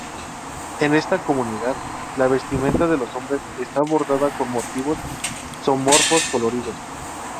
En esta comunidad la vestimenta de los hombres está bordada con motivos zoomorfos coloridos.